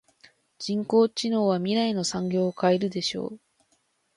人工知能は未来の産業を変えるでしょう。